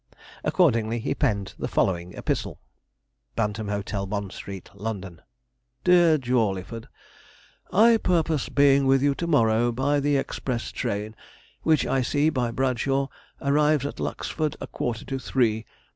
Accordingly, he penned the following epistle: 'BANTAM HOTEL, BOND STREET, LONDON. 'DEAR JAWLEYFORD, 'I purpose being with you to morrow, by the express train, which I see, by Bradshaw, arrives at Lucksford a quarter to three.